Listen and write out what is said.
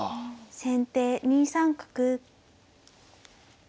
先手２三角。